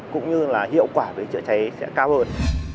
cũng như là hiệu quả về chữa cháy sẽ cao hơn